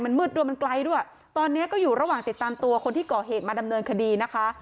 มันมืดด้วยมันไกลด้วยตอนนี้ก็อยู่ระหว่างติดตามตัวคนที่ก่อเหตุมาดำเนินคดีนะคะ